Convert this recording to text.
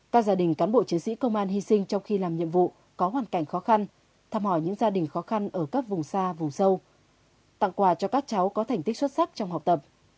các gia đình cán bộ chiến sĩ công an hy sinh trong khi làm nhiệm vụ có hoàn cảnh khó khăn thăm hỏi những gia đình khó khăn ở các vùng xa vùng sâu tặng quà cho các cháu có thành tích xuất sắc trong học tập